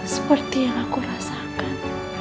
seperti yang aku rasakan